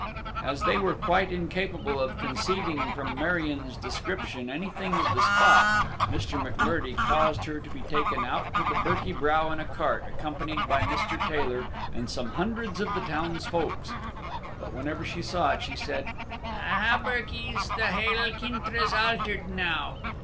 As they were quite incapable of conceiving from Marion's description anything of the spot, Mr. M'Murdie caused her to be taken out to the Birky Brow in a cart, accompanied by Mr. Taylor and some hundreds of the town's folks; but whenever she saw it, she said, "Aha, birkies! the haill kintra's altered now.